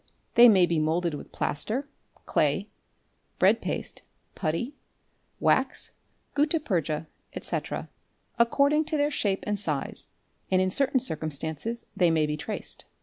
They may be moulded with plaster, clay, bread paste, putty, wax, gutta purcha, etc., according to their shape and size, and in certain circumstances they may be traced.